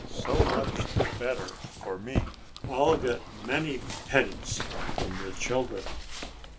"So much the better for me. I'll get many pennies from the children."